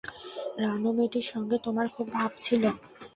রানু মেয়েটির সঙ্গে তোমার খুব ভাব ছিল।